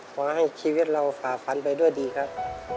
ขอให้ชีวิตเราฝ่าฟันไปด้วยดีครับ